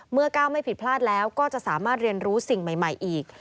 เมื่อก้าวไม่ผิดพลาดแล้วก็จะสามารถเรียนรู้สิ่งใหม่อีก